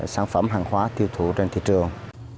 sản phẩm hàng hóa tiêu thụ trên thị trường